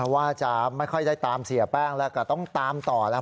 ว่าจะไม่ค่อยได้ตามเสียแป้งแล้วก็ต้องตามต่อแล้ว